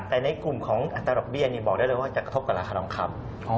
แต่ในกลุ่มของอัตราดอกเบี้ยบอกได้เลยว่าจะกระทบกับราคาทองคำ